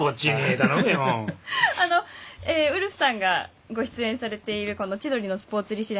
ウルフさんがご出演されている「千鳥のスポーツ立志伝」